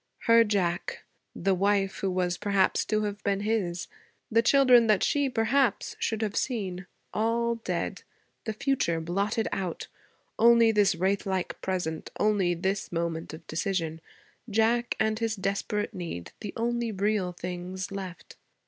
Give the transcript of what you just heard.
Her Jack. The wife who was, perhaps, to have been his. The children that she, perhaps, should have seen. All dead. The future blotted out. Only this wraith like present; only this moment of decision; Jack and his desperate need the only real things left.